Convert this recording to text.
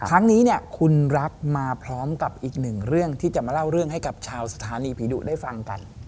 ครั้งนี้เนี่ยคุณรักมาพร้อมกับอีกหนึ่งเรื่องที่จะมาเล่าเรื่องให้กับชาวสถานีผีดุได้ฟังกัน